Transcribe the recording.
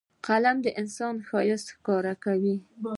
قلم د انسان ښایست ښکاره کوي